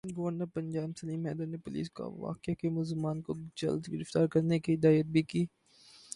governor Punjab Salim Haider نے police کو واقعے کے ملزمان کو جلد گرفتار کرنے کی ہدایت بھی کی